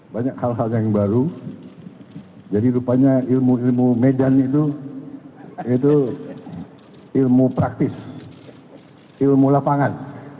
banyak hal hal yang baru jadi rupanya ilmu ilmu medan itu itu ilmu praktis ilmu lapangan